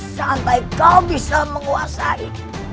sampai kau bisa menguasai